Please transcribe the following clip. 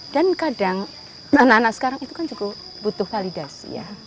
dan kadang anak anak sekarang itu kan juga butuh validasi ya